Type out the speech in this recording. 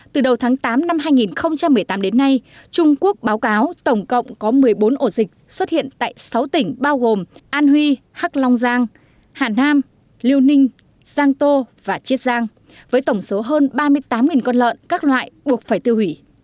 từ đầu tháng tám năm hai nghìn một mươi tám đến nay trung quốc báo cáo tổng cộng có một mươi bốn ổ dịch xuất hiện tại sáu tỉnh bao gồm an huy hắc long giang hà nam liêu ninh giang tô và chiết giang với tổng số hơn ba mươi tám con lợn các loại buộc phải tiêu hủy